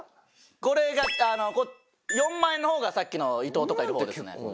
これが４万円の方がさっきの伊藤とかいる方ですね。